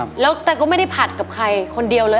แล้วแต่ก็ไม่ได้ผัดกับใครคนเดียวเลย